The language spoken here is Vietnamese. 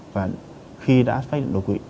và khi đã phát hiện đột quỵ